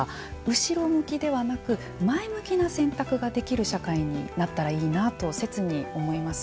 後ろ向きではなく前向きな選択ができる社会になったらいいなと切に思います。